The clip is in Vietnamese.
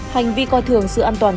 hành vi coi thường sự an toàn